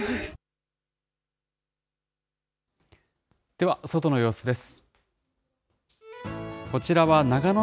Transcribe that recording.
では、外の様子です。